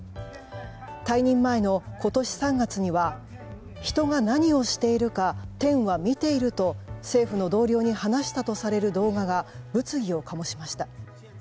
退任前の今年３月には人が何をしているか天は見ていると政府の同僚に話したとされる動画が物議を醸しました。